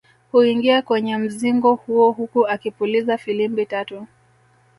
Huingia kwenye mzingo huo huku akipuliza filimbi tatu